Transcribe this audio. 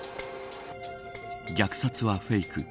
虐殺はフェイク。